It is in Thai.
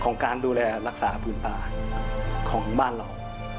การดูแลรักษาพื้นป่าของบ้านเรา